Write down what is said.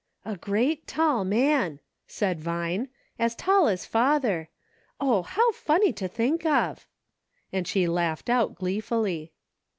" "A great tall man," said Vine; "as tall as father. Oh ! how funny to think of ;" and she laughed out gleefully.